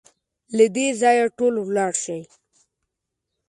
له دې ځايه ټول ولاړ شئ!